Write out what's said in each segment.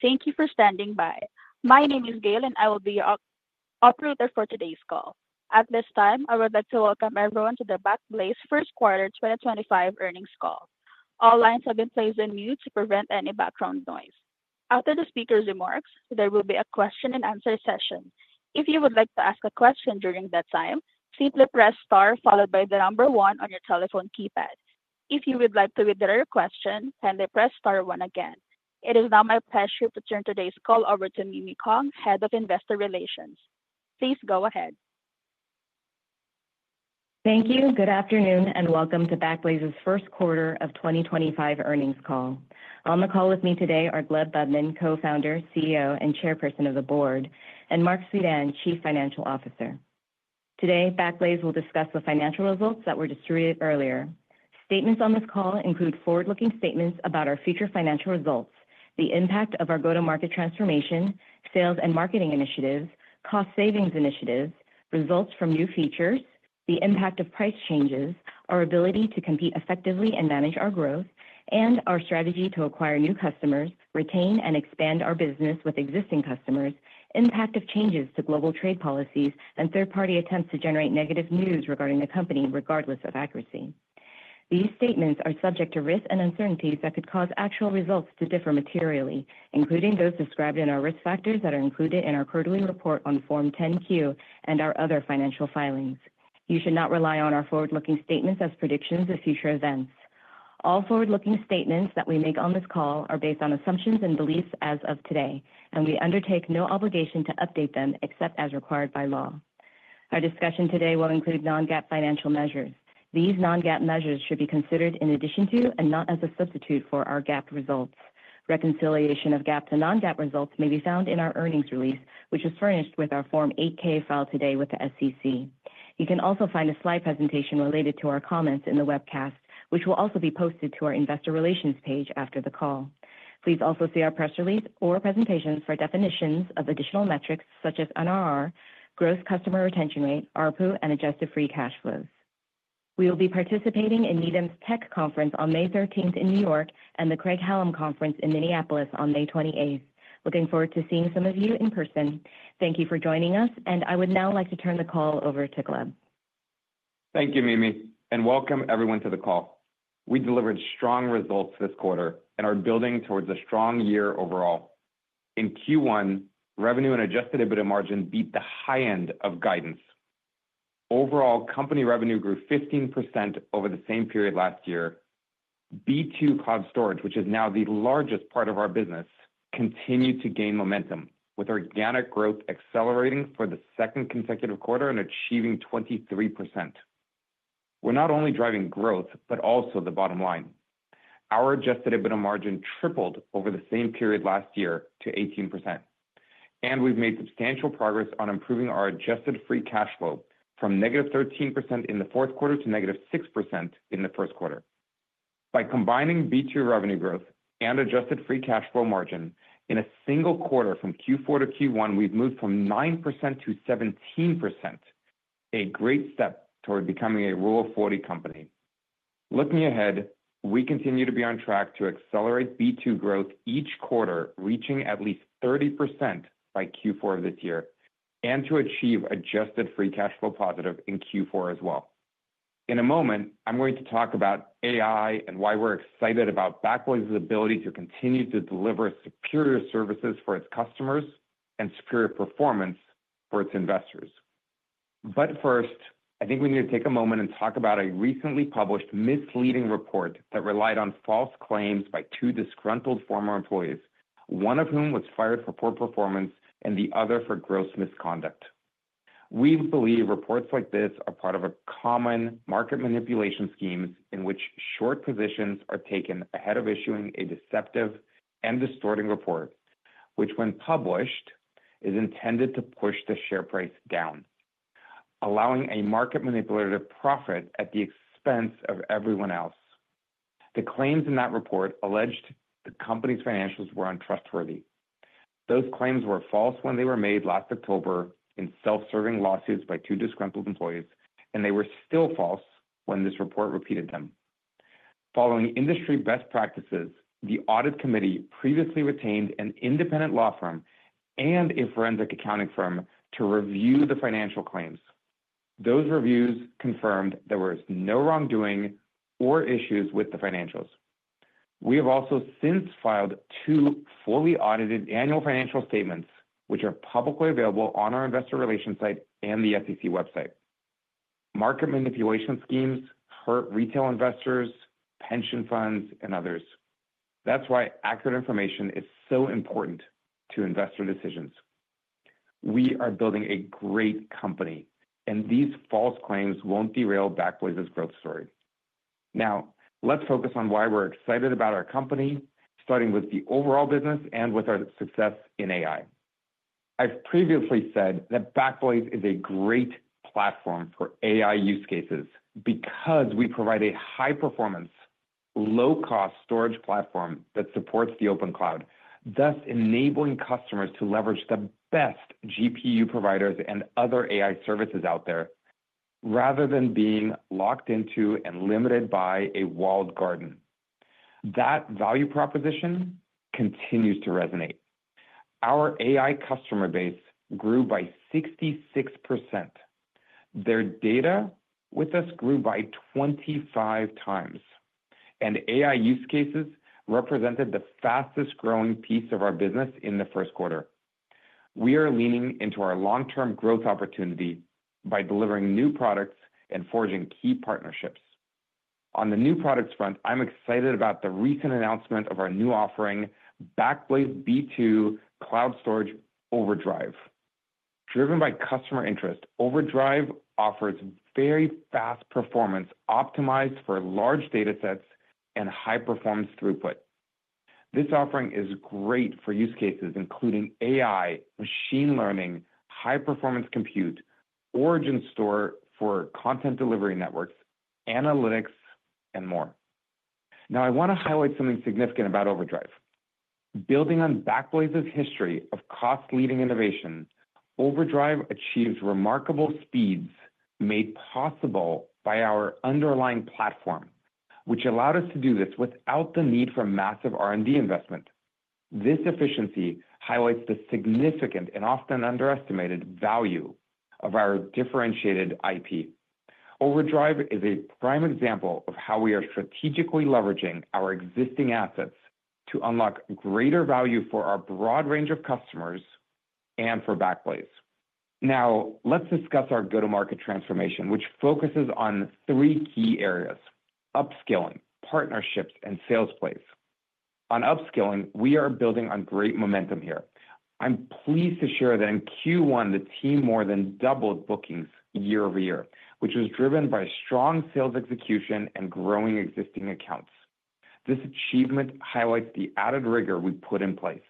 Thank you for standing by. My name is Gail, and I will be your operator for today's call. At this time, I would like to welcome everyone to the Backblaze First Quarter 2025 Earnings Call. All lines have been placed on mute to prevent any background noise. After the speaker's remarks, there will be a question-and-answer session. If you would like to ask a question during that time, simply press star followed by the number one on your telephone keypad. If you would like to withdraw your question, kindly press star one again. It is now my pleasure to turn today's call over to Mimi Kong, Head of Investor Relations. Please go ahead. Thank you. Good afternoon, and welcome to Backblaze's First Quarter 2025 Earnings Call. On the call with me today are Gleb Budman, Co-founder, CEO, and Chairperson of the Board, and Marc Suidan, Chief Financial Officer. Today, Backblaze will discuss the financial results that were distributed earlier. Statements on this call include forward-looking statements about our future financial results, the impact of our go-to-market transformation, sales and marketing initiatives, cost savings initiatives, results from new features, the impact of price changes, our ability to compete effectively and manage our growth, and our strategy to acquire new customers, retain and expand our business with existing customers, impact of changes to global trade policies, and third-party attempts to generate negative news regarding the company regardless of accuracy. These statements are subject to risks and uncertainties that could cause actual results to differ materially, including those described in our risk factors that are included in our quarterly report on Form 10Q and our other financial filings. You should not rely on our forward-looking statements as predictions of future events. All forward-looking statements that we make on this call are based on assumptions and beliefs as of today, and we undertake no obligation to update them except as required by law. Our discussion today will include non-GAAP financial measures. These non-GAAP measures should be considered in addition to and not as a substitute for our GAAP results. Reconciliation of GAAP to non-GAAP results may be found in our earnings release, which is furnished with our Form 8K filed today with the SEC. You can also find a slide presentation related to our comments in the webcast, which will also be posted to our Investor Relations page after the call. Please also see our press release or presentations for definitions of additional metrics such as NRR, Gross Customer Retention Rate, ARPU, and Adjusted Free Cash Flow. We will be participating in Needham's Tech Conference on May 13st in New York and the Craig-Hallum Conference in Minneapolis on May 28th. Looking forward to seeing some of you in person. Thank you for joining us, and I would now like to turn the call over to Gleb. Thank you, Mimi, and welcome everyone to the call. We delivered strong results this quarter and are building towards a strong year overall. In Q1, revenue and adjusted EBITDA margin beat the high end of guidance. Overall, company revenue grew 15% over the same period last year. B2 Cloud Storage, which is now the largest part of our business, continued to gain momentum, with organic growth accelerating for the 2nd consecutive quarter and achieving 23%. We're not only driving growth, but also the bottom line. Our adjusted EBITDA margin tripled over the same period last year to 18%, and we've made substantial progress on improving our adjusted free cash flow from negative 13% in the fourth quarter to negative 6% in the first quarter. By combining B2 revenue growth and adjusted free cash flow margin in a single quarter from Q4 to Q1, we've moved from 9% to 17%, a great step toward becoming a Rule of 40 company. Looking ahead, we continue to be on track to accelerate B2 growth each quarter, reaching at least 30% by Q4 of this year, and to achieve adjusted free cash flow positive in Q4 as well. In a moment, I'm going to talk about AI and why we're excited about Backblaze's ability to continue to deliver superior services for its customers and superior performance for its investors. 1st, I think we need to take a moment and talk about a recently published misleading report that relied on false claims by two disgruntled former employees, one of whom was fired for poor performance and the other for gross misconduct. We believe reports like this are part of a common market manipulation scheme in which short positions are taken ahead of issuing a deceptive and distorting report, which, when published, is intended to push the share price down, allowing a market manipulative profit at the expense of everyone else. The claims in that report alleged the company's financials were untrustworthy. Those claims were false when they were made last October in self-serving lawsuits by two disgruntled employees, and they were still false when this report repeated them. Following industry best practices, the Audit Committee previously retained an independent law firm and a forensic accounting firm to review the financial claims. Those reviews confirmed there was no wrongdoing or issues with the financials. We have also since filed two fully audited annual financial statements, which are publicly available on our Investor Relations site and the SEC website. Market manipulation schemes hurt retail investors, pension funds, and others. That's why accurate information is so important to investor decisions. We are building a great company, and these false claims won't derail Backblaze's growth story. Now, let's focus on why we're excited about our company, starting with the overall business and with our success in AI. I've previously said that Backblaze is a great platform for AI use cases because we provide a high-performance, low-cost storage platform that supports the open cloud, thus enabling customers to leverage the best GPU providers and other AI services out there rather than being locked into and limited by a walled garden. That value proposition continues to resonate. Our AI customer base grew by 66%. Their data with us grew by 25 times, and AI use cases represented the fastest-growing piece of our business in the first quarter. We are leaning into our long-term growth opportunity by delivering new products and forging key partnerships. On the new products front, I'm excited about the recent announcement of our new offering, Backblaze B2 Cloud Storage Overdrive. Driven by customer interest, Overdrive offers very fast performance optimized for large datasets and high-performance throughput. This offering is great for use cases including AI, machine learning, high-performance compute, origin store for content delivery networks, analytics, and more. Now, I want to highlight something significant about Overdrive. Building on Backblaze's history of cost-leading innovation, Overdrive achieves remarkable speeds made possible by our underlying platform, which allowed us to do this without the need for massive R&D investment. This efficiency highlights the significant and often underestimated value of our differentiated IP. Overdrive is a prime example of how we are strategically leveraging our existing assets to unlock greater value for our broad range of customers, and for Backblaze. Now, let's discuss our go-to-market transformation, which focuses on three key areas: upskilling, partnerships, and sales plays. On upskilling, we are building on great momentum here. I'm pleased to share that in Q1, the team more than doubled bookings year-over-year, which was driven by strong sales execution and growing existing accounts. This achievement highlights the added rigor we put in place.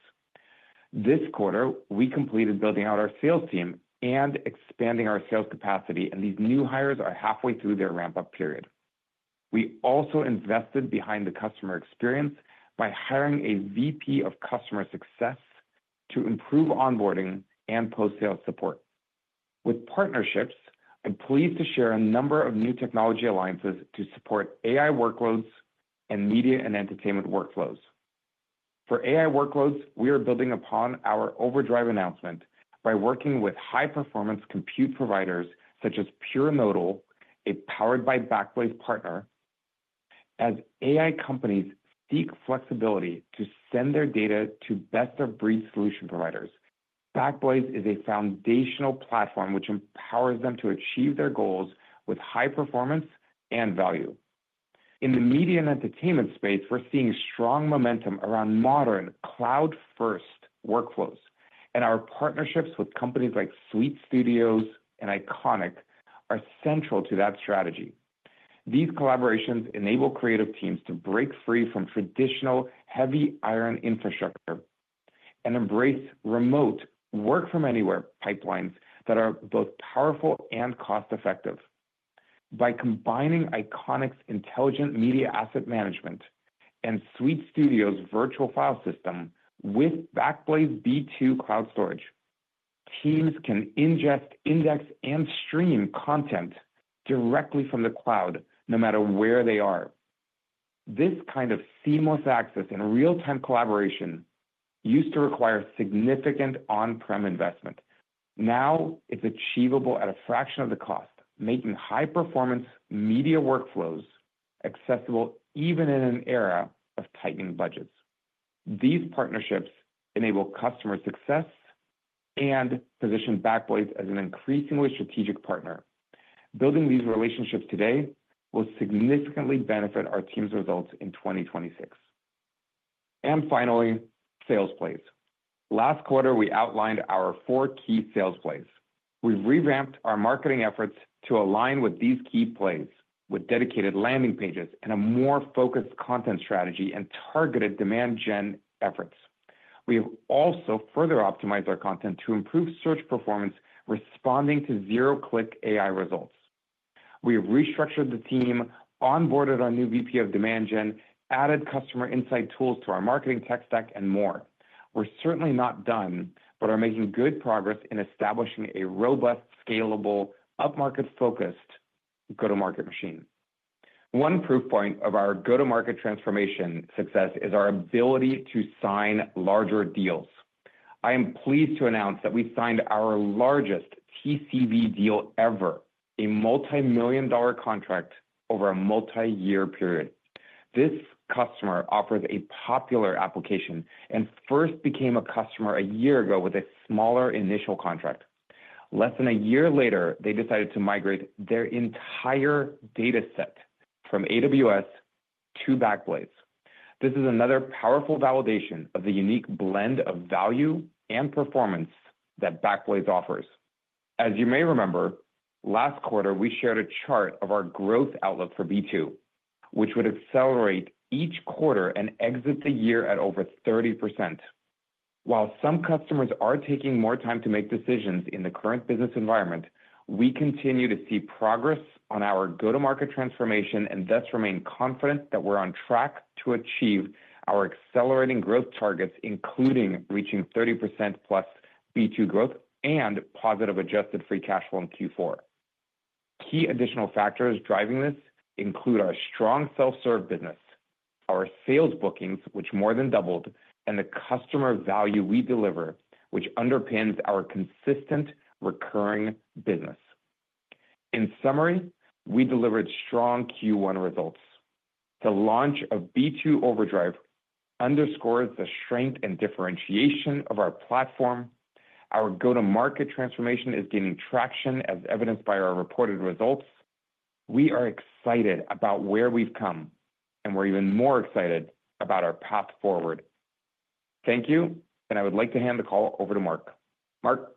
This quarter, we completed building out our sales team and expanding our sales capacity, and these new hires are halfway through their ramp-up period. We also invested behind the customer experience by hiring a VP of Customer Success to improve onboarding and post-sales support. With partnerships, I'm pleased to share a number of new technology alliances to support AI workloads, and media and entertainment workflows. For AI workloads, we are building upon our Overdrive announcement by working with high-performance compute providers such as PureNodal, a powered-by-Backblaze partner. As AI companies seek flexibility to send their data to best-of-breed solution providers, Backblaze is a foundational platform which empowers them to achieve their goals with high performance and value. In the media and entertainment space, we're seeing strong momentum around modern cloud-1st workflows, and our partnerships with companies like Suite Studios and Iconik are central to that strategy. These collaborations enable creative teams to break free from traditional heavy iron infrastructure and embrace remote work-from-anywhere pipelines that are both powerful and cost-effective. By combining Iconik's intelligent media asset management and Suite Studios' virtual file system with Backblaze B2 Cloud Storage, teams can ingest, index, and stream content directly from the cloud, no matter where they are. This kind of seamless access and real-time collaboration used to require significant on-prem investment. Now, it's achievable at a fraction of the cost, making high-performance media workflows accessible even in an era of tightening budgets. These partnerships enable customer success and position Backblaze as an increasingly strategic partner. Building these relationships today will significantly benefit our team's results in 2026. Finally, sales plays. Last quarter, we outlined our four key sales plays. We have revamped our marketing efforts to align with these key plays, with dedicated landing pages and a more focused content strategy and targeted demand gen efforts. We have also further optimized our content to improve search performance, responding to zero-click AI results. We have restructured the team, onboarded our new VP of Demand Gen, added customer insight tools to our marketing tech stack, and more. We're certainly not done, but are making good progress in establishing a robust, scalable, up-market-focused go-to-market machine. One proof point of our go-to-market transformation success is our ability to sign larger deals. I am pleased to announce that we signed our largest TCV deal ever, a multi-million dollar contract over a multi-year period. This customer offers a popular application and 1st became a customer a year ago with a smaller initial contract. Less than a year later, they decided to migrate their entire dataset from AWS to Backblaze. This is another powerful validation of the unique blend of value and performance that Backblaze offers. As you may remember, last quarter, we shared a chart of our growth outlook for B2, which would accelerate each quarter and exit the year at over 30%. While some customers are taking more time to make decisions in the current business environment, we continue to see progress on our go-to-market transformation and thus remain confident that we're on track to achieve our accelerating growth targets, including reaching 30%+ B2 growth and positive adjusted free cash flow in Q4. Key additional factors driving this include our strong self-serve business, our sales bookings, which more than doubled, and the customer value we deliver, which underpins our consistent recurring business. In summary, we delivered strong Q1 results. The launch of B2 Overdrive underscores the strength and differentiation of our platform. Our go-to-market transformation is gaining traction, as evidenced by our reported results. We are excited about where we've come, and we're even more excited about our path forward. Thank you, and I would like to hand the call over to Marc. Marc.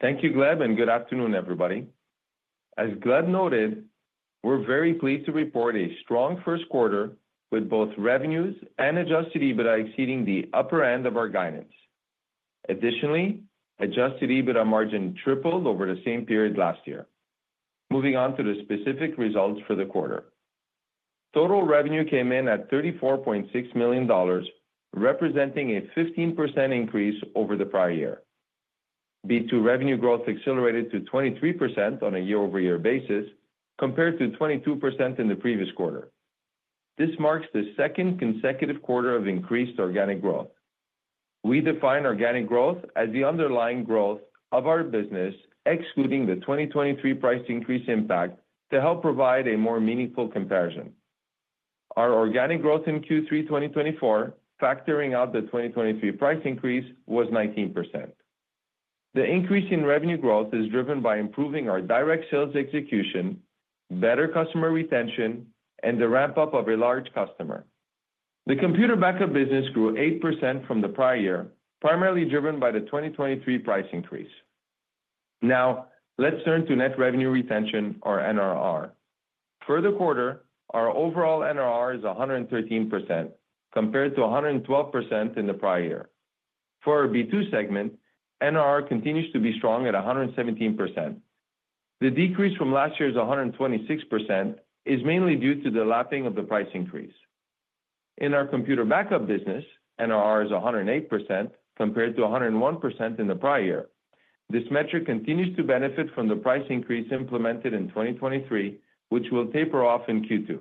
Thank you, Gleb, and good afternoon, everybody. As Gleb noted, we're very pleased to report a strong first quarter with both revenues and adjusted EBITDA exceeding the upper end of our guidance. Additionally, adjusted EBITDA margin tripled over the same period last year. Moving on to the specific results for the quarter. Total revenue came in at $34.6 million, representing a 15% increase over the prior year. B2 revenue growth accelerated to 23% on a year-over-year basis, compared to 22% in the previous quarter. This marks the 2nd consecutive quarter of increased organic growth. We define organic growth as the underlying growth of our business, excluding the 2023 price increase impact, to help provide a more meaningful comparison. Our organic growth in Q3 2024, factoring out the 2023 price increase, was 19%. The increase in revenue growth is driven by improving our direct sales execution, better customer retention, and the ramp-up of a large customer. The computer backup business grew 8% from the prior year, primarily driven by the 2023 price increase. Now, let's turn to net revenue retention, or NRR. For the quarter, our overall NRR is 113%, compared to 112% in the prior year. For our B2 segment, NRR continues to be strong at 117%. The decrease from last year's 126% is mainly due to the lapping of the price increase. In our computer backup business, NRR is 108%, compared to 101% in the prior year. This metric continues to benefit from the price increase implemented in 2023, which will taper off in Q2.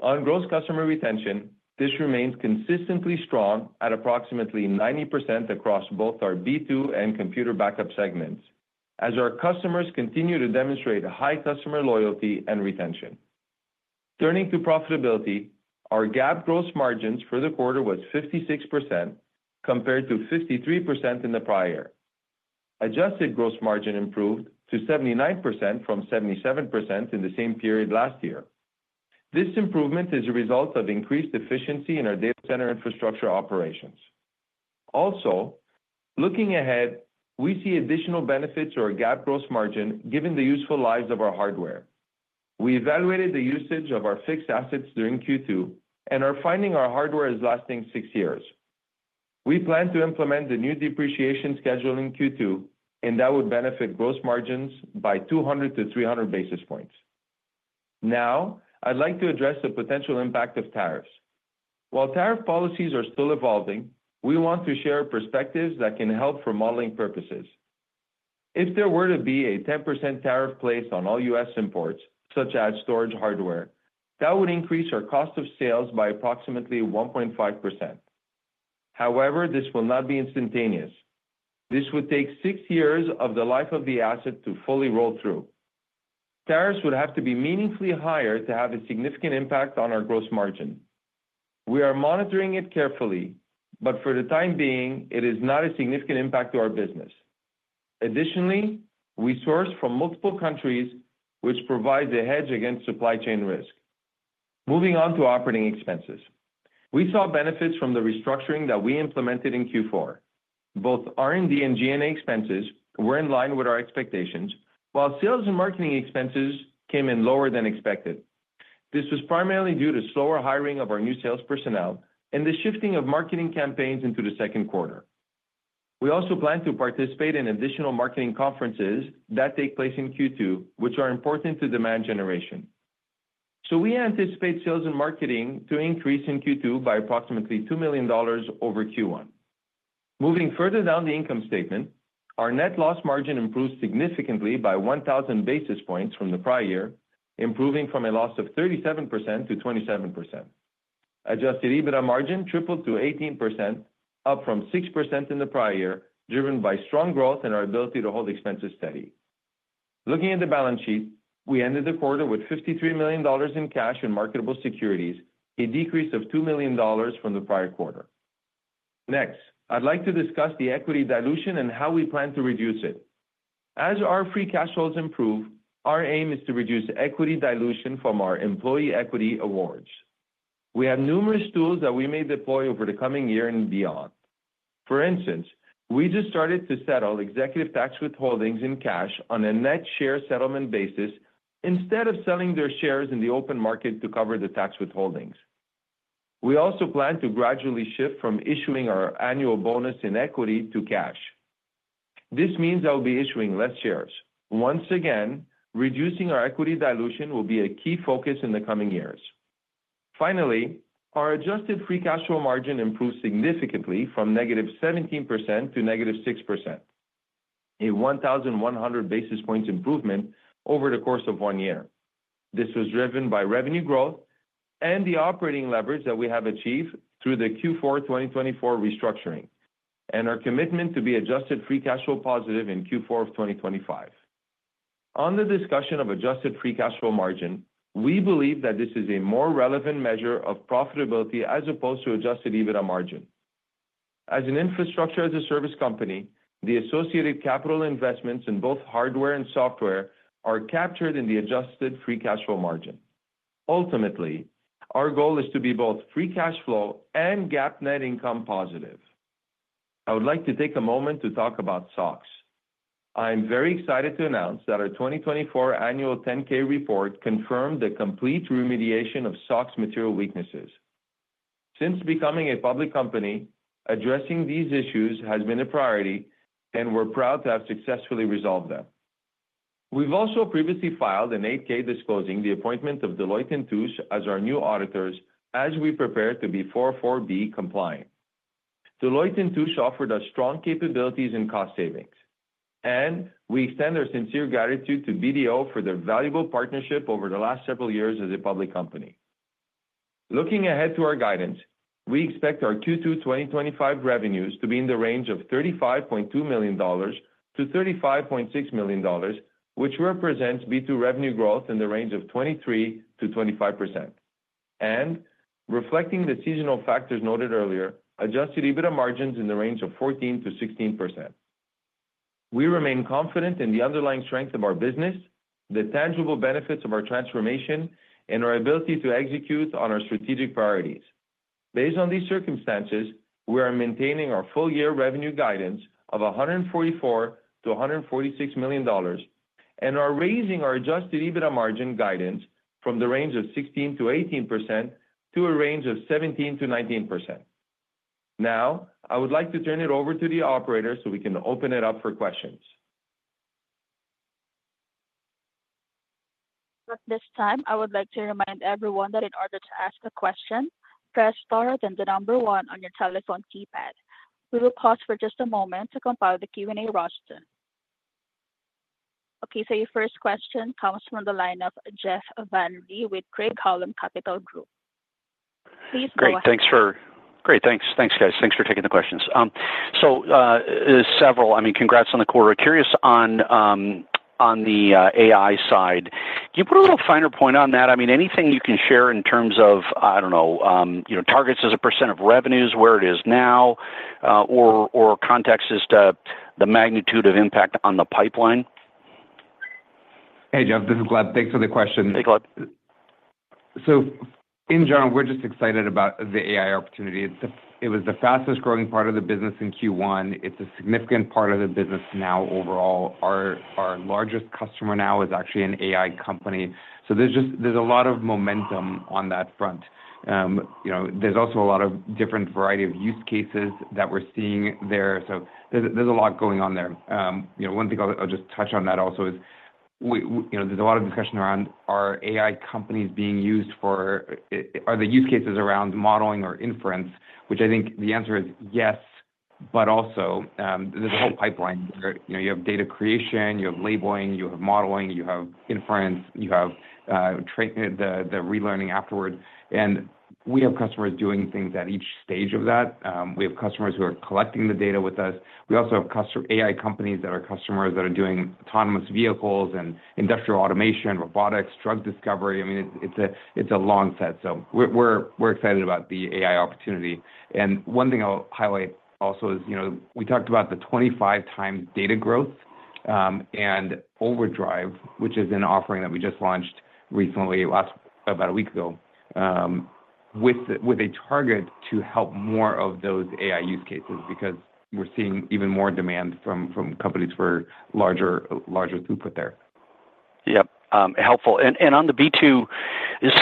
On gross customer retention, this remains consistently strong at approximately 90% across both our B2 and Computer Backup segments, as our customers continue to demonstrate high customer loyalty and retention. Turning to profitability, our GAAP gross margins for the quarter was 56%, compared to 53% in the prior year. Adjusted gross margin improved to 79% from 77% in the same period last year. This improvement is a result of increased efficiency in our data center infrastructure operations. Also, looking ahead, we see additional benefits to our GAAP gross margin given the useful lives of our hardware. We evaluated the usage of our fixed assets during Q2 and are finding our hardware is lasting six years. We plan to implement the new depreciation schedule in Q2, and that would benefit gross margins by 200-300 basis points. Now, I'd like to address the potential impact of tariffs. While tariff policies are still evolving, we want to share perspectives that can help for modeling purposes. If there were to be a 10% tariff placed on all U.S. imports, such as storage hardware, that would increase our cost of sales by approximately 1.5%. However, this will not be instantaneous. This would take six years of the life of the asset to fully roll through. Tariffs would have to be meaningfully higher to have a significant impact on our gross margin. We are monitoring it carefully, but for the time being, it is not a significant impact to our business. Additionally, we source from multiple countries, which provides a hedge against supply chain risk. Moving on to operating expenses. We saw benefits from the restructuring that we implemented in Q4. Both R&D and G&A expenses were in line with our expectations, while sales and marketing expenses came in lower than expected. This was primarily due to slower hiring of our new sales personnel and the shifting of marketing campaigns into the second quarter. We also plan to participate in additional marketing conferences that take place in Q2, which are important to demand generation. We anticipate sales and marketing to increase in Q2 by approximately $2 million over Q1. Moving further down the income statement, our net loss margin improved significantly by 1,000 basis points from the prior year, improving from a loss of 37% to 27%. Adjusted EBITDA margin tripled to 18%, up from 6% in the prior year, driven by strong growth and our ability to hold expenses steady. Looking at the balance sheet, we ended the quarter with $53 million in cash and marketable securities, a decrease of $2 million from the prior quarter. Next, I'd like to discuss the equity dilution and how we plan to reduce it. As our free cash flows improve, our aim is to reduce equity dilution from our employee equity awards. We have numerous tools that we may deploy over the coming year and beyond. For instance, we just started to settle executive tax withholdings in cash on a net share settlement basis instead of selling their shares in the open market to cover the tax withholdings. We also plan to gradually shift from issuing our annual bonus in equity to cash. This means I will be issuing fewer shares. Once again, reducing our equity dilution will be a key focus in the coming years. Finally, our adjusted free cash flow margin improved significantly from -17% to -6%, a 1,100 basis points improvement over the course of one year. This was driven by revenue growth and the operating leverage that we have achieved through the Q4 2024 restructuring and our commitment to be adjusted free cash flow positive in Q4 of 2025. On the discussion of adjusted free cash flow margin, we believe that this is a more relevant measure of profitability as opposed to adjusted EBITDA margin. As an infrastructure-as-a-service company, the associated capital investments in both hardware and software are captured in the adjusted free cash flow margin. Ultimately, our goal is to be both free cash flow and GAAP net income positive. I would like to take a moment to talk about SOX. I am very excited to announce that our 2024 annual 10-K report confirmed the complete remediation of SOX material weaknesses. Since becoming a public company, addressing these issues has been a priority, and we're proud to have successfully resolved them. We've also previously filed an 8-K disclosing the appointment of Deloitte & Touche as our new auditors as we prepare to be 404(b) compliant. Deloitte & Touche offered us strong capabilities and cost savings, and we extend our sincere gratitude to BDO for their valuable partnership over the last several years as a public company. Looking ahead to our guidance, we expect our Q2 2025 revenues to be in the range of $35.2 million-$35.6 million, which represents B2 revenue growth in the range of 23%-25%, and reflecting the seasonal factors noted earlier, adjusted EBITDA margins in the range of 14%-16%. We remain confident in the underlying strength of our business, the tangible benefits of our transformation, and our ability to execute on our strategic priorities. Based on these circumstances, we are maintaining our full year revenue guidance of $144 million to $146 million and are raising our adjusted EBITDA margin guidance from the range of 16%-18% to a range of 17%-19%. Now, I would like to turn it over to the operators so we can open it up for questions. At this time, I would like to remind everyone that in order to ask a question, press star and then the number one on your telephone keypad. We will pause for just a moment to compile the Q&A roster. Okay, so your 1st question comes from the line of Jeff Van Rhee with Craig-Hallum Capital Group. Please go ahead. Great. Thanks, guys. Thanks for taking the questions. So, several, I mean, congrats on the quarter. Curious on the AI side. Can you put a little finer point on that? I mean, anything you can share in terms of, I don't know, targets as a percent of revenues, where it is now, or context as to the magnitude of impact on the pipeline? Hey, Jeff. This is Gleb. Thanks for the question. Hey, Gleb. In general, we're just excited about the AI opportunity. It was the fastest growing part of the business in Q1. It's a significant part of the business now overall. Our largest customer now is actually an AI company. There's a lot of momentum on that front. There's also a lot of different variety of use cases that we're seeing there. There's a lot going on there. One thing I'll just touch on that also is there's a lot of discussion around our AI companies being used for—are the use cases around modeling or inference, which I think the answer is yes, but also there's a whole pipeline where you have data creation, you have labeling, you have modeling, you have inference, you have the relearning afterward. We have customers doing things at each stage of that. We have customers who are collecting the data with us. We also have AI companies that are customers that are doing autonomous vehicles and industrial automation, robotics, drug discovery. I mean, it's a long set. We are excited about the AI opportunity. One thing I'll highlight also is we talked about the 25 times data growth and Overdrive, which is an offering that we just launched recently, about a week ago, with a target to help more of those AI use cases because we are seeing even more demand from companies for larger throughput there. Yep. Helpful. On the B2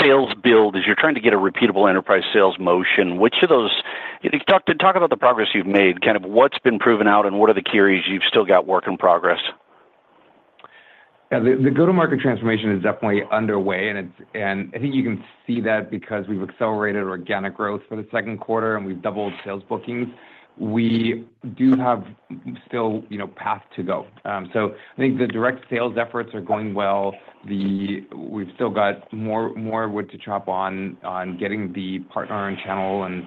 sales build, as you're trying to get a repeatable enterprise sales motion, which of those—talk about the progress you've made, kind of what's been proven out, and what are the key areas you've still got work in progress? Yeah. The go-to-market transformation is definitely underway, and I think you can see that because we've accelerated organic growth for the second quarter, and we've doubled sales bookings. We do have still path to go. I think the direct sales efforts are going well. We've still got more wood to chop on getting the partner and channel and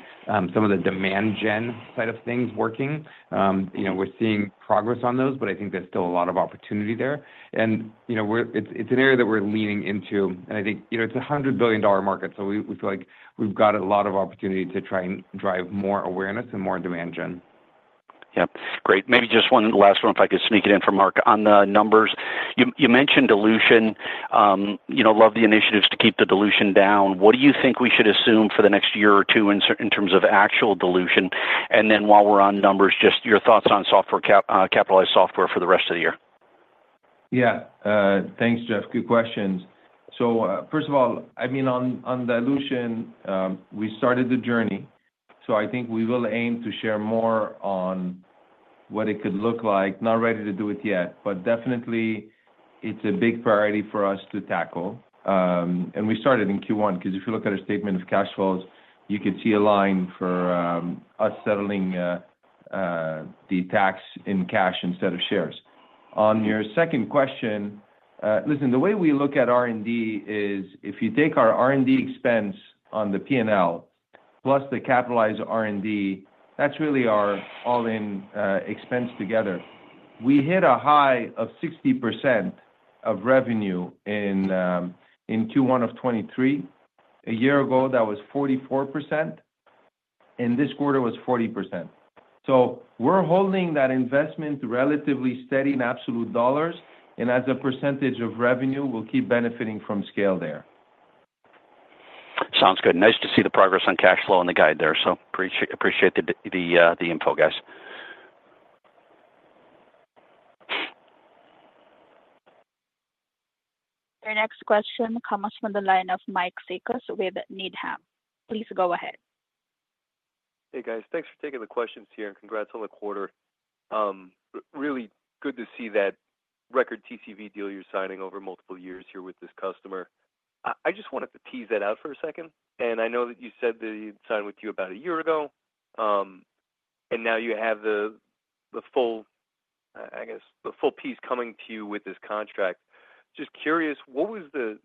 some of the demand gen side of things working. We're seeing progress on those, but I think there's still a lot of opportunity there. It's an area that we're leaning into, and I think it's a $100 billion market, so we feel like we've got a lot of opportunity to try and drive more awareness and more demand gen. Yep. Great. Maybe just one last one, if I could sneak it in from Marc. On the numbers, you mentioned dilution. Love the initiatives to keep the dilution down. What do you think we should assume for the next year or two in terms of actual dilution? While we're on numbers, just your thoughts on capitalized software for the rest of the year. Yeah. Thanks, Jeff. Good questions. 1st of all, I mean, on dilution, we started the journey, so I think we will aim to share more on what it could look like. Not ready to do it yet, but definitely it's a big priority for us to tackle. We started in Q1 because if you look at our statement of cash flows, you could see a line for us settling the tax in cash instead of shares. On your 2nd question, listen, the way we look at R&D is if you take our R&D expense on the P&L plus the capitalized R&D, that's really our all-in expense together. We hit a high of 60% of revenue in Q1 of 2023. A year ago, that was 44%, and this quarter was 40%. We're holding that investment relatively steady in absolute dollars, and as a percentage of revenue, we'll keep benefiting from scale there. Sounds good. Nice to see the progress on cash flow on the guide there, so appreciate the info, guys. Our next question comes from the line of Mike Cikos with Needham. Please go ahead. Hey, guys. Thanks for taking the questions here, and congrats on the quarter. Really good to see that record TCV deal you're signing over multiple years here with this customer. I just wanted to tease that out for a second. I know that you said that you'd sign with you about a year ago, and now you have the full, I guess, the full piece coming to you with this contract. Just curious, what was the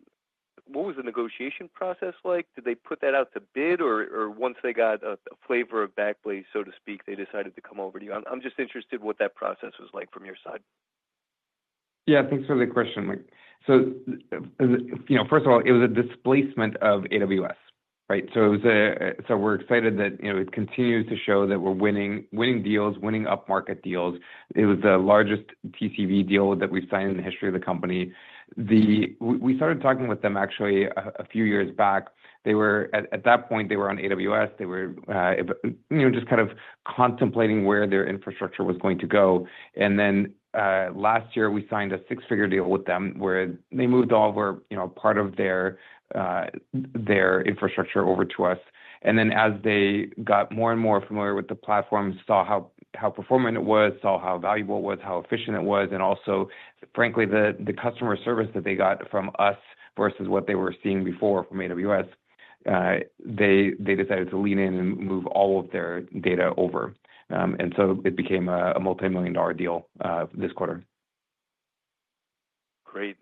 negotiation process like? Did they put that out to bid, or once they got a flavor of Backblaze, so to speak, they decided to come over to you? I'm just interested in what that process was like from your side. Yeah. Thanks for the question, Mike. 1st of all, it was a displacement of AWS, right? We're excited that it continues to show that we're winning deals, winning up market deals. It was the largest TCV deal that we've signed in the history of the company. We started talking with them, actually, a few years back. At that point, they were on AWS. They were just kind of contemplating where their infrastructure was going to go. Last year, we signed a six-figure deal with them where they moved all or part of their infrastructure over to us. As they got more and more familiar with the platform, saw how performant it was, saw how valuable it was, how efficient it was, and also, frankly, the customer service that they got from us versus what they were seeing before from AWS, they decided to lean in and move all of their data over. It became a multi-million dollar deal this quarter. Great.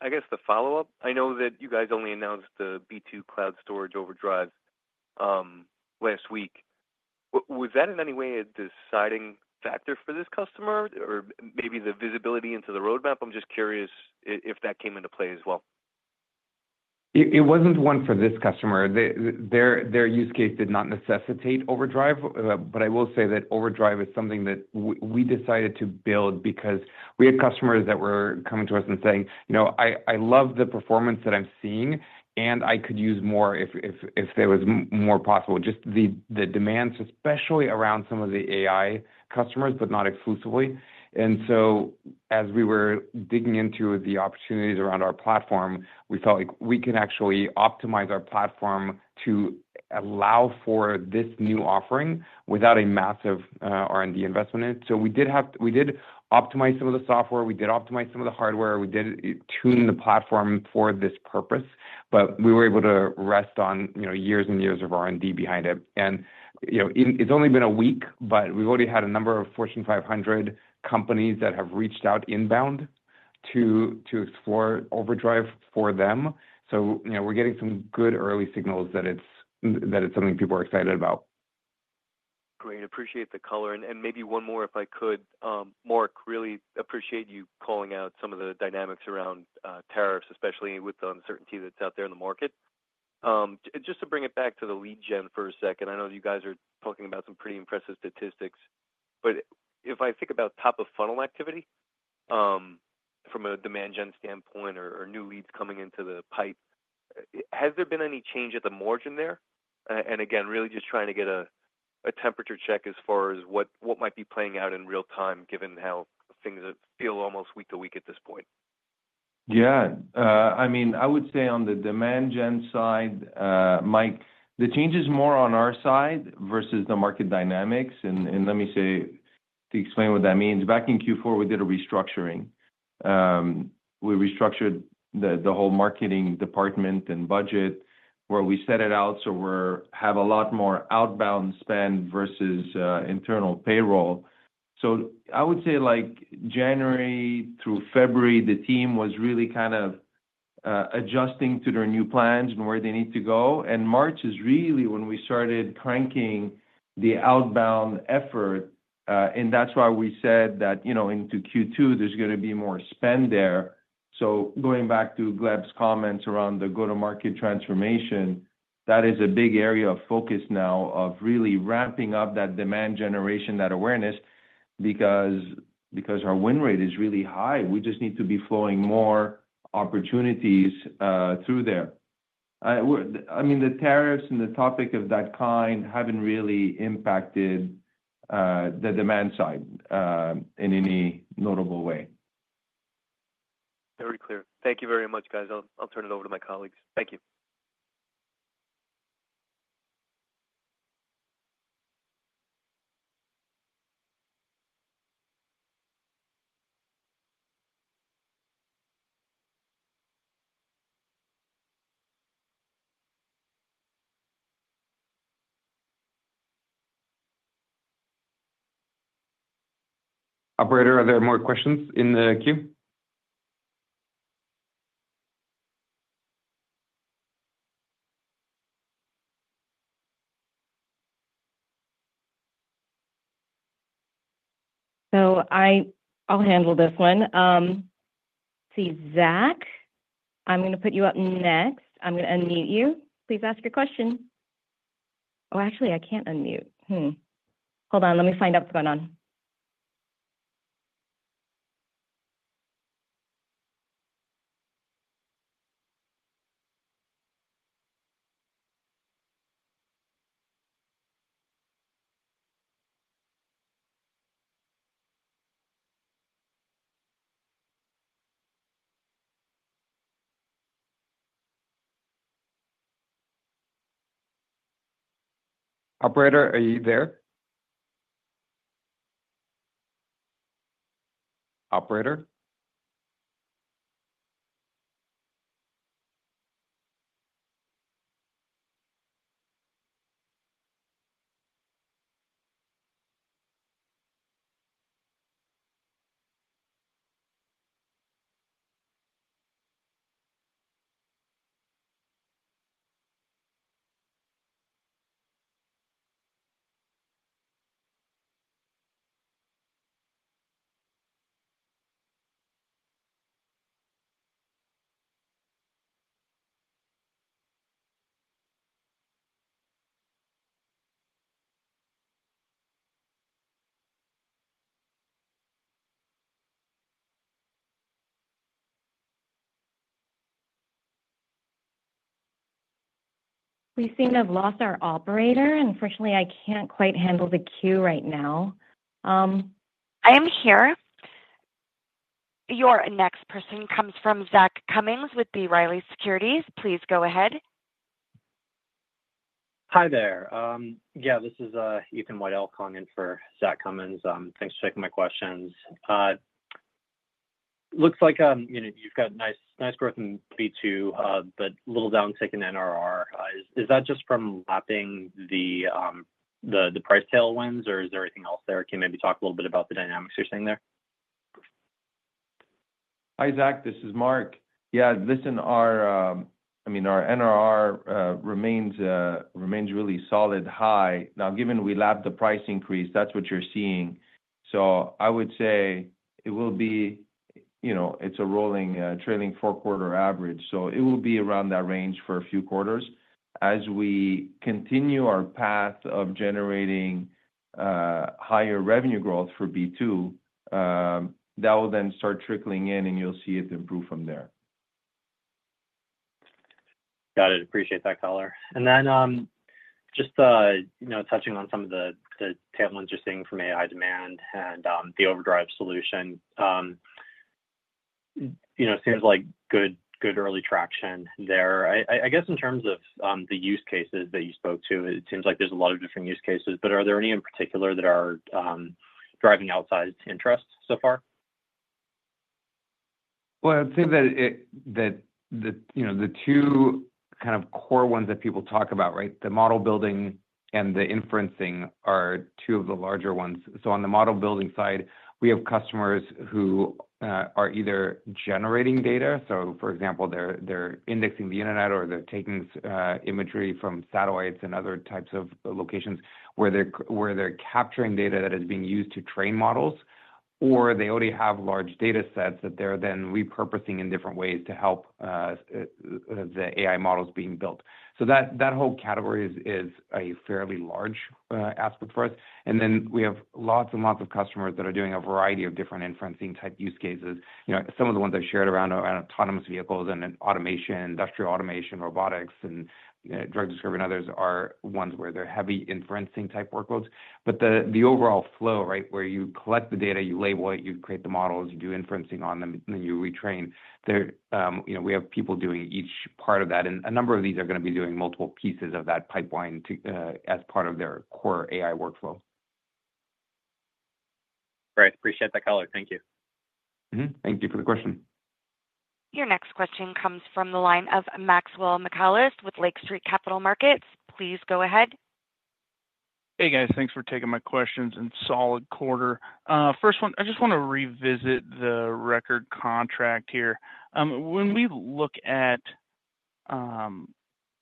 I guess the follow-up, I know that you guys only announced the B2 Cloud Storage Overdrive last week. Was that in any way a deciding factor for this customer, or maybe the visibility into the roadmap? I'm just curious if that came into play as well. It wasn't one for this customer. Their use case did not necessitate Overdrive, but I will say that Overdrive is something that we decided to build because we had customers that were coming to us and saying, "I love the performance that I'm seeing, and I could use more if there was more possible." Just the demands, especially around some of the AI customers, but not exclusively. As we were digging into the opportunities around our platform, we felt like we could actually optimize our platform to allow for this new offering without a massive R&D investment in it. We did optimize some of the software. We did optimize some of the hardware. We did tune the platform for this purpose, but we were able to rest on years and years of R&D behind it. It has only been a week, but we have already had a number of Fortune 500 companies that have reached out inbound to explore Overdrive for them. We are getting some good early signals that it is something people are excited about. Great. Appreciate the color. Maybe one more, if I could. Marc, really appreciate you calling out some of the dynamics around tariffs, especially with the uncertainty that is out there in the market. Just to bring it back to the lead gen for a second, I know you guys are talking about some pretty impressive statistics, but if I think about top-of-funnel activity from a demand gen standpoint or new leads coming into the pipe, has there been any change at the margin there? I am really just trying to get a temperature check as far as what might be playing out in real time, given how things feel almost week to week at this point. Yeah. I mean, I would say on the demand gen side, Mike, the change is more on our side versus the market dynamics. Let me say to explain what that means. Back in Q4, we did a restructuring. We restructured the whole marketing department and budget where we set it out so we have a lot more outbound spend versus internal payroll. I would say January through February, the team was really kind of adjusting to their new plans and where they need to go. March is really when we started cranking the outbound effort, and that's why we said that into Q2, there's going to be more spend there. Going back to Gleb's comments around the go-to-market transformation, that is a big area of focus now of really ramping up that demand generation, that awareness, because our win rate is really high. We just need to be flowing more opportunities through there. I mean, the tariffs and the topic of that kind have not really impacted the demand side in any notable way. Very clear. Thank you very much, guys. I'll turn it over to my colleagues. Thank you. Operator, are there more questions in the queue? I'll handle this one. Let's see. Zach, I'm going to put you up next. I'm going to unmute you. Please ask your question. Oh, actually, I can't unmute. Hold on. Let me find out what's going on. Operator, are you there? Operator? We seem to have lost our operator, and unfortunately, I can't quite handle the queue right now. I am here. Your next person comes from Zach Cummins with B. Riley Securities. Please go ahead. Hi there. Yeah, this is Ethan White Elk calling in for Zach Cummings. Thanks for taking my questions. Looks like you've got nice growth in B2, but little downtick in NRR. Is that just from lapping the price tailwinds, or is there anything else there? Can you maybe talk a little bit about the dynamics you're seeing there? Hi, Zach. This is Mark. Yeah. Listen, I mean, our NRR remains really solid high. Now, given we lapped the price increase, that's what you're seeing. I would say it will be, it's a rolling, trailing four-quarter average. It will be around that range for a few quarters. As we continue our path of generating higher revenue growth for B2, that will then start trickling in, and you'll see it improve from there. Got it. Appreciate that, caller. Just touching on some of the tailwinds you're seeing from AI demand and the Overdrive solution, it seems like good early traction there. I guess in terms of the use cases that you spoke to, it seems like there's a lot of different use cases, but are there any in particular that are driving outsized interest so far? I'd say that the two kind of core ones that people talk about, right, the model building and the inferencing are two of the larger ones. On the model building side, we have customers who are either generating data. For example, they're indexing the internet or they're taking imagery from satellites and other types of locations where they're capturing data that is being used to train models, or they already have large data sets that they're then repurposing in different ways to help the AI models being built. That whole category is a fairly large aspect for us. We have lots and lots of customers that are doing a variety of different inferencing-type use cases. Some of the ones I've shared around autonomous vehicles and automation, industrial automation, robotics, and drug discovery and others are ones where they're heavy inferencing-type workloads. The overall flow, right, where you collect the data, you label it, you create the models, you do inferencing on them, and then you retrain. We have people doing each part of that. A number of these are going to be doing multiple pieces of that pipeline as part of their core AI workflow. Great. Appreciate that, caller. Thank you. Thank you for the question. Your next question comes from the line of Maxwell Michaelis with Lake Street Capital Markets. Please go ahead. Hey, guys. Thanks for taking my questions and solid quarter. 1st one, I just want to revisit the record contract here. When we look at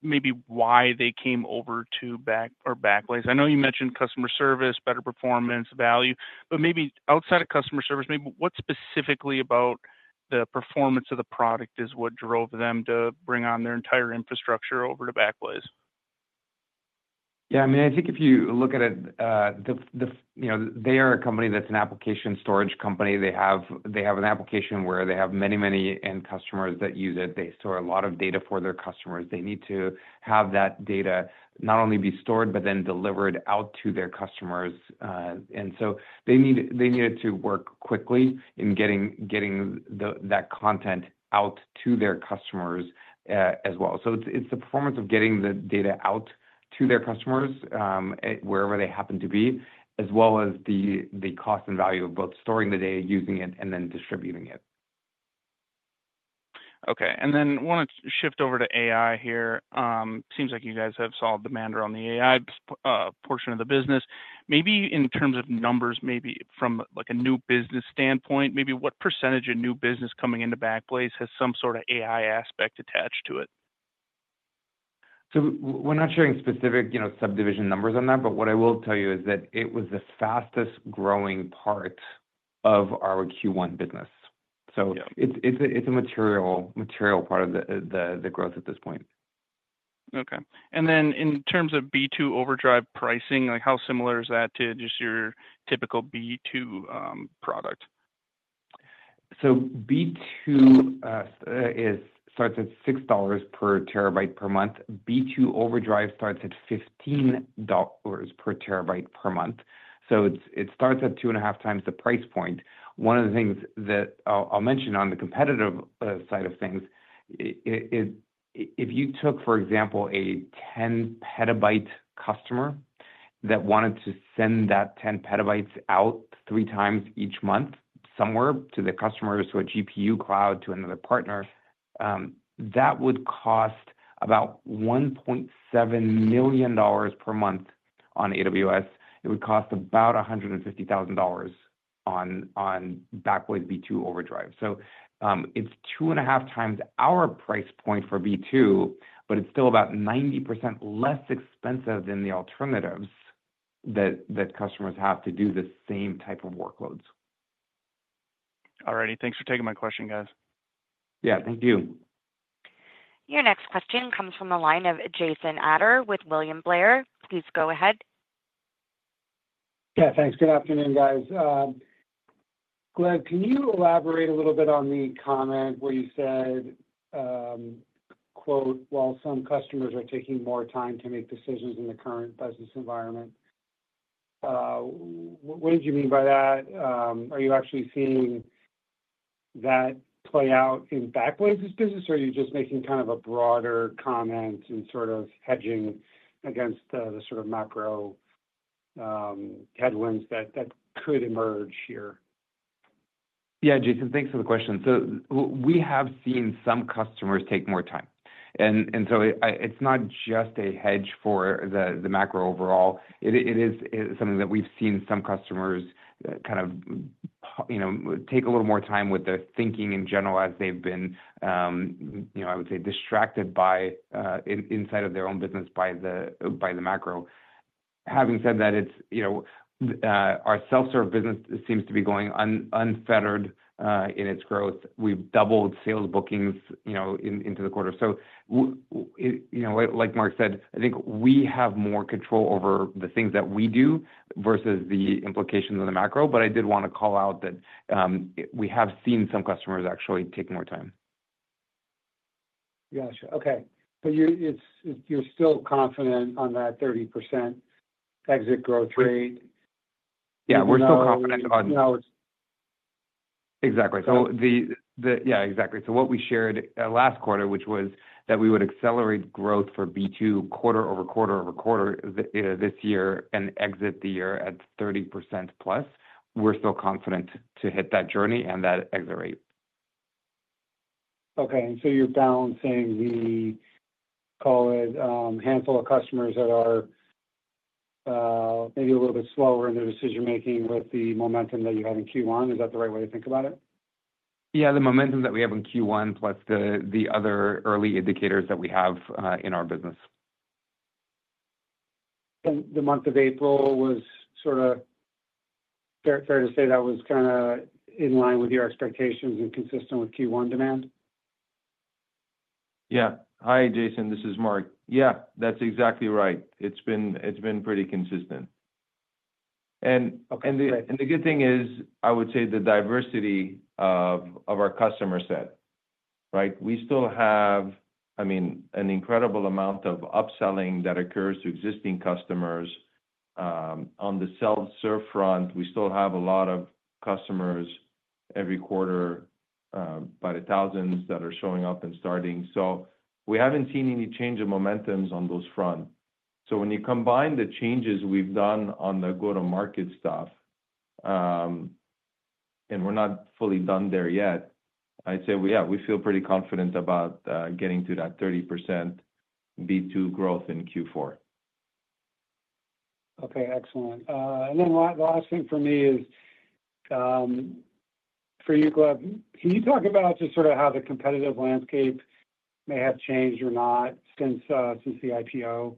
maybe why they came over to Backblaze, I know you mentioned customer service, better performance, value, but maybe outside of customer service, maybe what specifically about the performance of the product is what drove them to bring on their entire infrastructure over to Backblaze? Yeah. I mean, I think if you look at it, they are a company that's an application storage company. They have an application where they have many, many end customers that use it. They store a lot of data for their customers. They need to have that data not only be stored, but then delivered out to their customers. They needed to work quickly in getting that content out to their customers as well. It is the performance of getting the data out to their customers wherever they happen to be, as well as the cost and value of both storing the data, using it, and then distributing it. Okay. I want to shift over to AI here. Seems like you guys have solid demand around the AI portion of the business. Maybe in terms of numbers, maybe from a new business standpoint, maybe what percentage of new business coming into Backblaze has some sort of AI aspect attached to it? We're not sharing specific subdivision numbers on that, but what I will tell you is that it was the fastest growing part of our Q1 business. It is a material part of the growth at this point. Okay. And then in terms of B2 Overdrive pricing, how similar is that to just your typical B2 product? B2 starts at $6 per TB per month. B2 Overdrive starts at $15 per TB per month. It starts at two and a half times the price point. One of the things that I'll mention on the competitive side of things is if you took, for example, a 10 PB customer that wanted to send that 10 PB out three times each month somewhere to the customer, so a GPU cloud to another partner, that would cost about $1.7 million per month on AWS. It would cost about $150,000 on Backblaze B2 Overdrive. It is two and a half times our price point for B2, but it is still about 90% less expensive than the alternatives that customers have to do the same type of workloads. All righty. Thanks for taking my question, guys. Yeah. Thank you. Your next question comes from the line of Jason Ader with William Blair. Please go ahead. Yeah. Thanks. Good afternoon, guys. Gleb, can you elaborate a little bit on the comment where you said, "While some customers are taking more time to make decisions in the current business environment," what did you mean by that? Are you actually seeing that play out in Backblaze's business, or are you just making kind of a broader comment and sort of hedging against the sort of macro headwinds that could emerge here? Yeah, Jason, thanks for the question. We have seen some customers take more time. It is not just a hedge for the macro overall. It is something that we have seen some customers kind of take a little more time with their thinking in general as they have been, I would say, distracted inside of their own business by the macro. Having said that, our self-serve business seems to be going unfettered in its growth. We have doubled sales bookings into the quarter. Like Marc said, I think we have more control over the things that we do versus the implications of the macro. I did want to call out that we have seen some customers actually take more time. Gotcha. Okay. But you're still confident on that 30% exit growth rate? Yeah. We're still confident on. Exactly. Yeah, exactly. What we shared last quarter, which was that we would accelerate growth for B2 quarter over quarter-over-quarter this year and exit the year at 30% plus, we're still confident to hit that journey and that exit rate. Okay. You're balancing the, call it, handful of customers that are maybe a little bit slower in their decision-making with the momentum that you had in Q1. Is that the right way to think about it? Yeah. The momentum that we have in Q1 plus the other early indicators that we have in our business. Is the month of April, was it sort of fair to say that was kind of in line with your expectations and consistent with Q1 demand? Yeah. Hi, Jason. This is Marc. Yeah. That's exactly right. It's been pretty consistent. And the good thing is, I would say the diversity of our customer set, right? We still have, I mean, an incredible amount of upselling that occurs to existing customers. On the self-serve front, we still have a lot of customers every quarter, about 1,000 that are showing up and starting. So we haven't seen any change of momentums on those fronts. So when you combine the changes we've done on the go-to-market stuff, and we're not fully done there yet, I'd say, yeah, we feel pretty confident about getting to that 30% B2 growth in Q4. Okay. Excellent. The last thing for me is for you, Gleb, can you talk about just sort of how the competitive landscape may have changed or not since the IPO?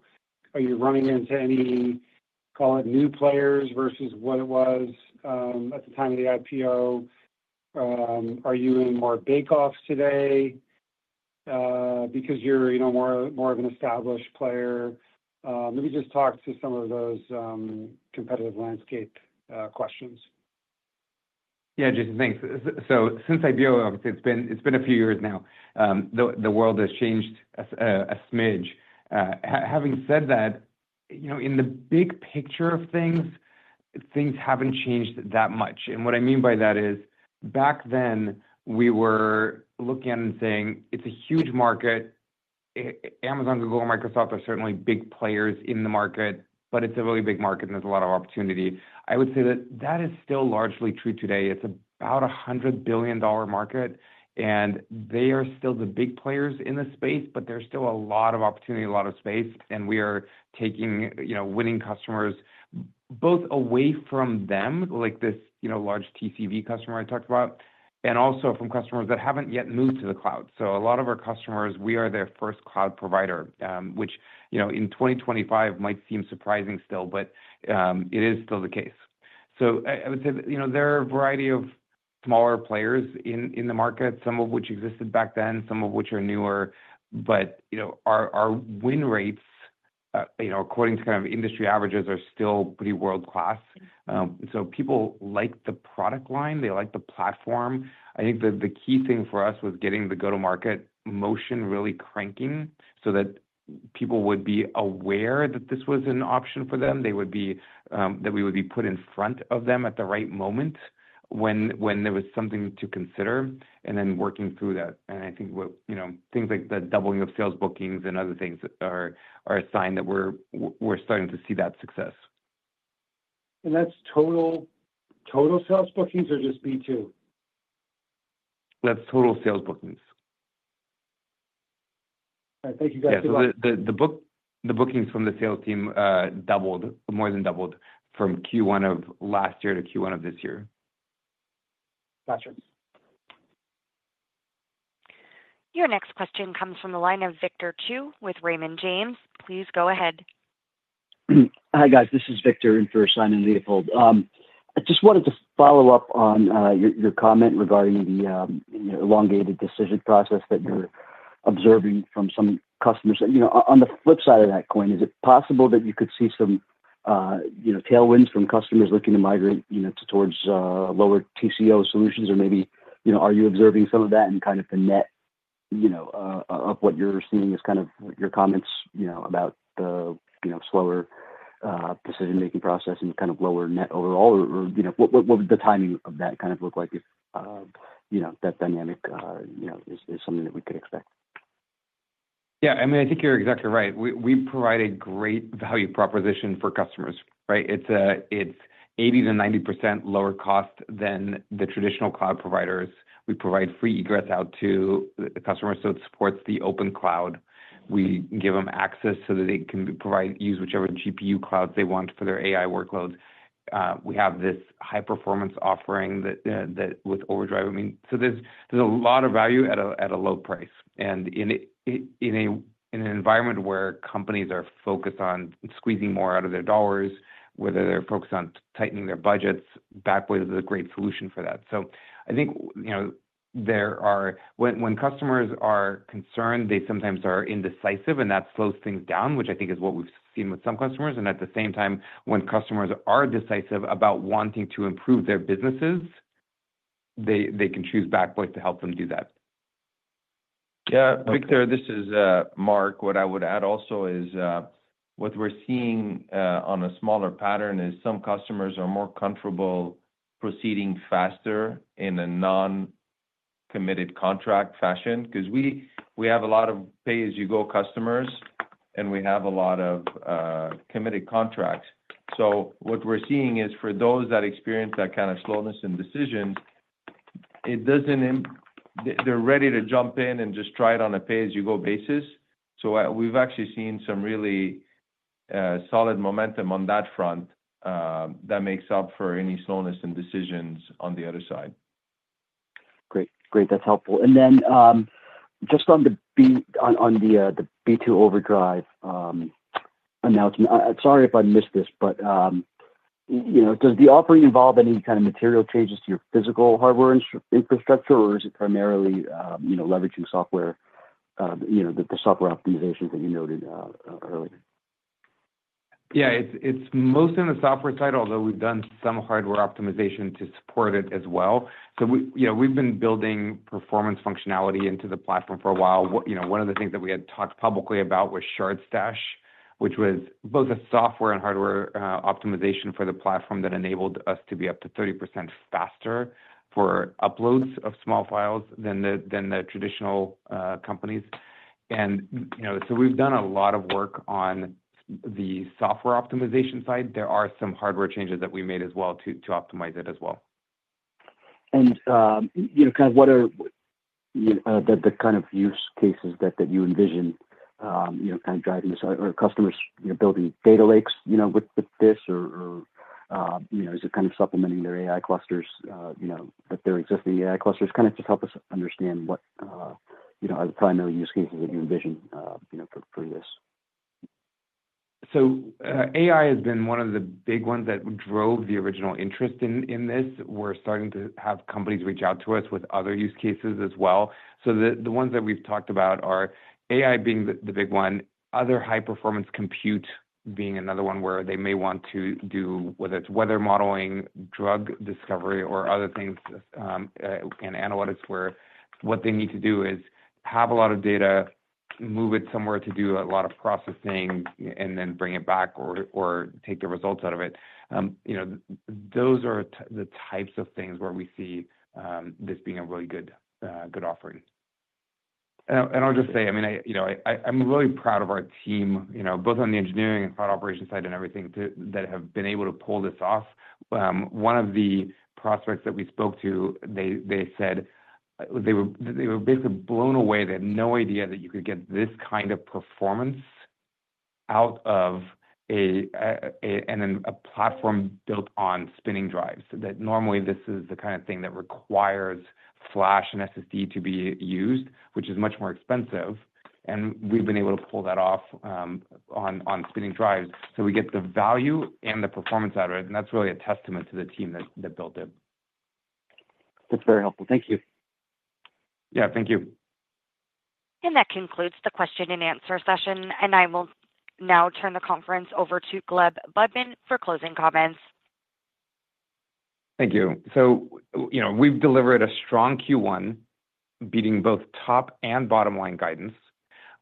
Are you running into any, call it, new players versus what it was at the time of the IPO? Are you in more bake-offs today because you're more of an established player? Let me just talk to some of those competitive landscape questions. Yeah, Jason, thanks. Since IPO, obviously, it's been a few years now. The world has changed a smidge. Having said that, in the big picture of things, things haven't changed that much. What I mean by that is back then, we were looking at it and saying, "It's a huge market. Amazon, Google, and Microsoft are certainly big players in the market, but it's a really big market, and there's a lot of opportunity." I would say that that is still largely true today. It's about a $100 billion market, and they are still the big players in the space, but there's still a lot of opportunity, a lot of space, and we are taking winning customers both away from them, like this large TCV customer I talked about, and also from customers that haven't yet moved to the cloud. A lot of our customers, we are their 1st cloud provider, which in 2025 might seem surprising still, but it is still the case. I would say there are a variety of smaller players in the market, some of which existed back then, some of which are newer, but our win rates, according to kind of industry averages, are still pretty world-class. People like the product line. They like the platform. I think the key thing for us was getting the go-to-market motion really cranking so that people would be aware that this was an option for them, that we would be put in front of them at the right moment when there was something to consider, and then working through that. I think things like the doubling of sales bookings and other things are a sign that we're starting to see that success. Is that total sales bookings or just B2? That's total sales bookings. All right. Thank you, guys. Yeah. The bookings from the sales team doubled, more than doubled, from Q1 of last year to Q1 of this year. Gotcha. Your next question comes from the line of Victor Chiu with Raymond James. Please go ahead. Hi, guys. This is Victor in for Simon Leopold. I just wanted to follow up on your comment regarding the elongated decision process that you're observing from some customers. On the flip side of that coin, is it possible that you could see some tailwinds from customers looking to migrate towards lower TCO solutions? Or maybe are you observing some of that in kind of the net of what you're seeing as kind of your comments about the slower decision-making process and kind of lower net overall? What would the timing of that kind of look like if that dynamic is something that we could expect? Yeah. I mean, I think you're exactly right. We provide a great value proposition for customers, right? It's 80%-90% lower cost than the traditional cloud providers. We provide free egress out to the customers, so it supports the open cloud. We give them access so that they can use whichever GPU clouds they want for their AI workloads. We have this high-performance offering with Overdrive. I mean, so there's a lot of value at a low price. In an environment where companies are focused on squeezing more out of their dollars, whether they're focused on tightening their budgets, Backblaze is a great solution for that. I think when customers are concerned, they sometimes are indecisive, and that slows things down, which I think is what we've seen with some customers. At the same time, when customers are decisive about wanting to improve their businesses, they can choose Backblaze to help them do that. Yeah. Victor, this is Marc. What I would add also is what we are seeing on a smaller pattern is some customers are more comfortable proceeding faster in a non-committed contract fashion because we have a lot of pay-as-you-go customers, and we have a lot of committed contracts. What we are seeing is for those that experience that kind of slowness in decisions, they are ready to jump in and just try it on a pay-as-you-go basis. We have actually seen some really solid momentum on that front that makes up for any slowness in decisions on the other side. Great. Great. That's helpful. Then just on the B2 Overdrive announcement, sorry if I missed this, but does the offering involve any kind of material changes to your physical hardware infrastructure, or is it primarily leveraging software, the software optimizations that you noted earlier? Yeah. It's mostly on the software side, although we've done some hardware optimization to support it as well. We've been building performance functionality into the platform for a while. One of the things that we had talked publicly about was Shard Stash, which was both a software and hardware optimization for the platform that enabled us to be up to 30% faster for uploads of small files than the traditional companies. We've done a lot of work on the software optimization side. There are some hardware changes that we made as well to optimize it as well. What are the kind of use cases that you envision driving this? Are customers building data lakes with this, or is it supplementing their AI clusters, their existing AI clusters? Just help us understand what are the primary use cases that you envision for this. AI has been one of the big ones that drove the original interest in this. We're starting to have companies reach out to us with other use cases as well. The ones that we've talked about are AI being the big one, other high-performance compute being another one where they may want to do, whether it's weather modeling, drug discovery, or other things in analytics, where what they need to do is have a lot of data, move it somewhere to do a lot of processing, and then bring it back or take the results out of it. Those are the types of things where we see this being a really good offering. I mean, I'm really proud of our team, both on the engineering and cloud operation side and everything, that have been able to pull this off. One of the prospects that we spoke to, they said they were basically blown away. They had no idea that you could get this kind of performance out of a platform built on spinning drives, that normally this is the kind of thing that requires flash and SSD to be used, which is much more expensive. We have been able to pull that off on spinning drives. We get the value and the performance out of it. That is really a testament to the team that built it. That's very helpful. Thank you. Yeah. Thank you. That concludes the question-and-answer session. I will now turn the conference over to Gleb Budman for closing comments. Thank you. We've delivered a strong Q1, beating both top and bottom-line guidance.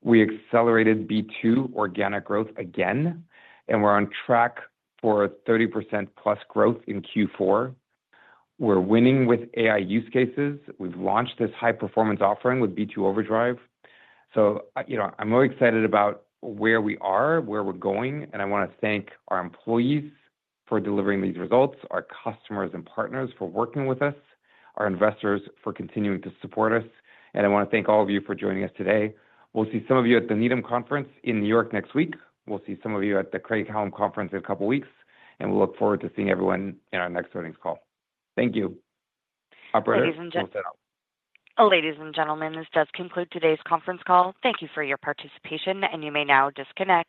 We accelerated B2 organic growth again, and we're on track for 30%+ growth in Q4. We're winning with AI use cases. We've launched this high-performance offering with B2 Overdrive. I'm really excited about where we are, where we're going. I want to thank our employees for delivering these results, our customers and partners for working with us, our investors for continuing to support us. I want to thank all of you for joining us today. We'll see some of you at the Needham Conference in New York next week. We'll see some of you at the Craig-Hallum Conference in a couple of weeks. We look forward to seeing everyone in our next earnings call. Thank you. Ladies and gentlemen, this does conclude today's conference call. Thank you for your participation, and you may now disconnect.